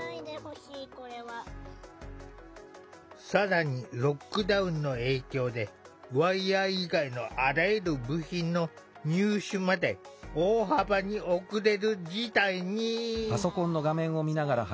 さらに、ロックダウンの影響でワイヤー以外のあらゆる部品の入手まで、大幅に遅れる事態に。